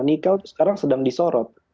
nikel sekarang sedang disorot